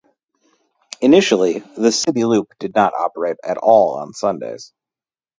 Initially, the City Loop did not operate at all on Sundays.